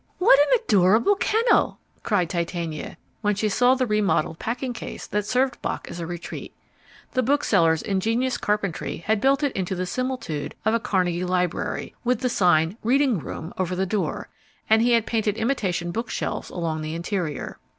"What an adorable kennel!" cried Titania, when she saw the remodelled packing case that served Bock as a retreat. The bookseller's ingenious carpentry had built it into the similitude of a Carnegie library, with the sign READING ROOM over the door; and he had painted imitation book shelves along the interior.